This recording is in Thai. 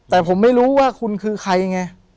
แต่ผมไม่รู้ว่าคุณคือใครไง